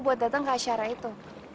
buat datang ke acara itu